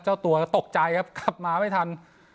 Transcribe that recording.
เจ้าตัวก็ตกใจครับขับมาไม่ทัน